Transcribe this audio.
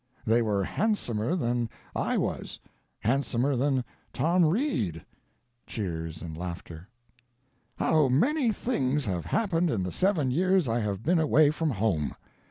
They were handsomer than I was handsomer than Tom Reed. [Cheers and laughter.] "How many things have happened in the seven years I have been away from home!